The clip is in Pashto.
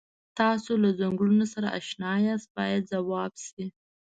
تاسو له څنګلونو سره اشنا یاست باید ځواب شي.